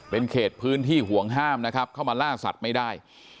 เป็นเขตพื้นที่ห่วงห้ามนะครับเข้ามาล่าสัตว์ไม่ได้